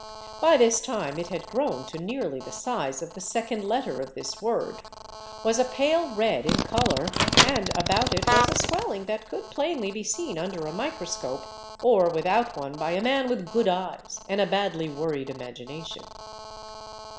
By this time it had grown to nearly the size of the second letter of this word, was a pale red in color, and about it was a swelling that could plainly be seen under a microscope, or without one by a man with good eyes and a badly worried imagination.